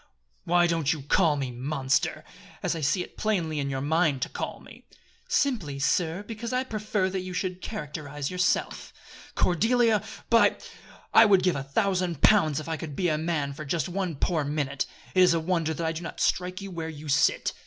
"Why don't you call me, Monster! as I see it plainly in your mind to call me?" "Simply, sir, because I prefer that you should characterize yourself." "Cordelia! By ! I would give a thousand pounds if you could be a man for just one poor minute! It is a wonder that I do not strike you where you sit."